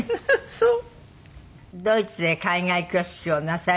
そう。